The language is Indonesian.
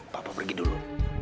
papa pergi dulu